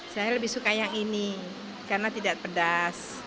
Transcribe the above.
saya lebih suka yang ini karena tidak pedas